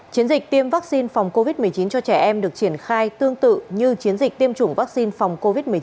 chiến dịch tiêm vaccine phòng covid một mươi chín cho trẻ em được triển khai tương tự như chiến dịch tiêm chủng vaccine phòng covid một mươi chín